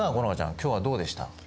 今日はどうでした？